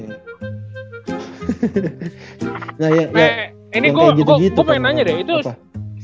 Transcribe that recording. ini gue pengen nanya deh